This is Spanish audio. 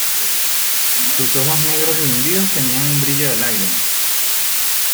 sus ojos negros y hundidos tenían un brillo de lágrimas.